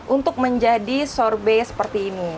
untuk menjadi sorbet seperti ini